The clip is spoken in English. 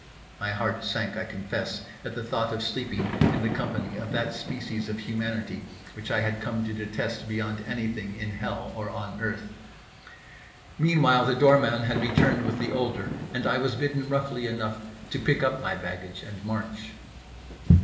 My heart sank, I confess, at the thought of sleeping in the company of that species of humanity which I had come to detest beyond anything in hell or on earth. Meanwhile the doorman had returned with the older, and I was bidden roughly enough to pick up my baggage and march.